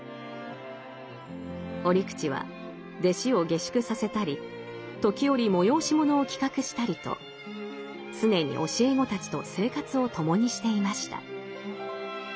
折口は弟子を下宿させたり時折催し物を企画したりと常に教え子たちと生活を共にしていました。